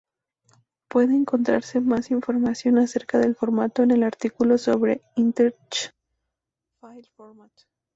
Puede encontrarse más información acerca del formato en el artículo sobre Interchange File Format.